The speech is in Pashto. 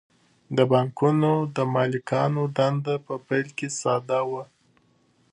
د بانکونو د مالکانو دنده په پیل کې ساده وه